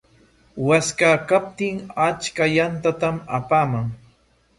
Waskaa kaptinqa achka yantatam apaaman.